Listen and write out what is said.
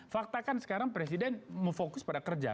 fakta kan sekarang presiden memfokus pada kerja